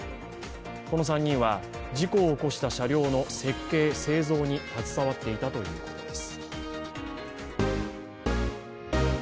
この３人は事故を起こした車両の設計・製造に携わっていたということです。